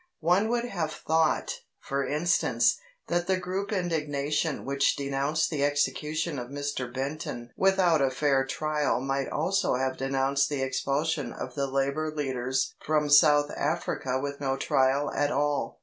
One would have thought, for instance, that the group indignation which denounced the execution of Mr Benton without a fair trial might also have denounced the expulsion of the labour leaders from South Africa with no trial at all.